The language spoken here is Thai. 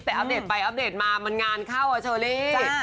แต่อัปเดตไปอัปเดตมามันงานเข้าอ่ะเชอรี่